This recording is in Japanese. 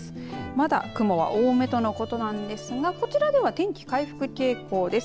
まだ雲は多めとのことなんですがこちらでは天気回復傾向です。